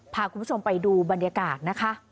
พาคุณผู้ชมไปดูบรรยากาศนะคะ